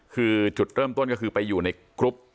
คือจุดเริ่มต้นก็คือไปอยู่ในกรุ๊ป